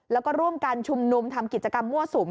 แล้วก็ร่วมกันชุมนุมทำกิจกรรมมั่วสุม